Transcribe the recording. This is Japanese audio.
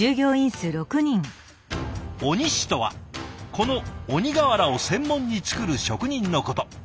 鬼師とはこの鬼瓦を専門に作る職人のこと。